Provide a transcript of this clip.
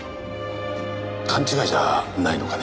勘違いじゃないのかね？